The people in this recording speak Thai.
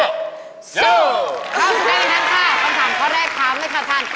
ครอบสุดท้ายนั้นค่ะคำถามข้อแรกครั้งนะคะท่าน